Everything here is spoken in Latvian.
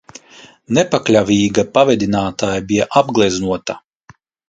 Nepakļāvīga pavedinātāja bija apgleznota.